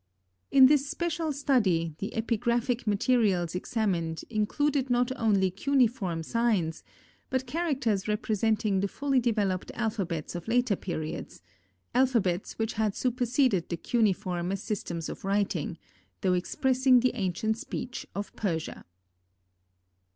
In this special study, the epigraphic materials examined included not only cuneiform signs, but characters representing the fully developed alphabets of later periods, alphabets which had superseded the cuneiform as systems of writing, though expressing the ancient speech of Persia.